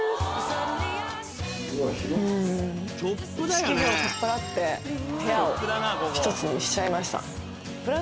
仕切りを取っ払って部屋を１つにしちゃいました。